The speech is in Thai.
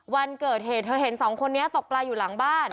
วันเกิดเหตุเธอเห็นสองคนนี้ตกปลาอยู่หลังบ้าน